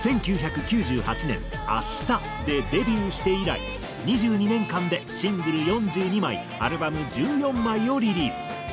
１９９８年『あした』でデビューして以来２２年間でシングル４２枚アルバム１４枚をリリース。